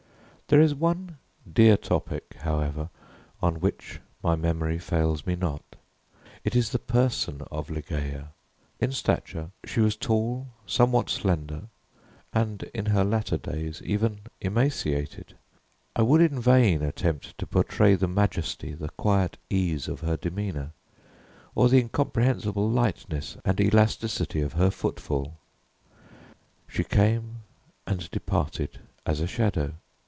There is one dear topic, however, on which my memory fails me not. It is the person of Ligeia. In stature she was tall, somewhat slender, and, in her latter days, even emaciated. I would in vain attempt to portray the majesty, the quiet ease of her demeanor, or the incomprehensible lightness and elasticity of her footfall. She came and departed as a shadow.